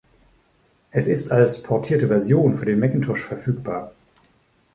Es ist als portierte Version für den Macintosh verfügbar.